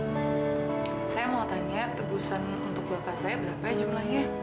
saya mau tanya tebusan untuk bapak saya berapa jumlahnya